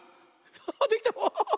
あできた！